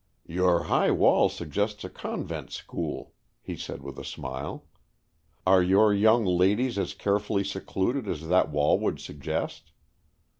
"Your high wall suggests a convent school," he said with a smile. "Are your young ladles as carefully secluded as that wall would suggest?"